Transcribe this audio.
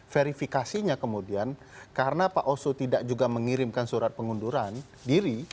verifikasinya kemudian karena pak oso tidak juga mengirimkan surat pengunduran diri